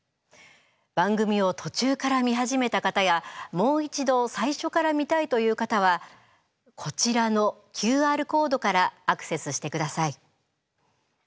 番組を途中から見始めた方やもう一度最初から見たいという方はこちらのＱＲコードからアクセスしてください。